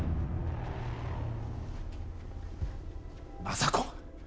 政子